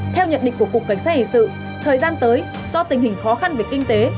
theo nhận định của cục cảnh sát hình sự thời gian tới do tình hình khó khăn về kinh tế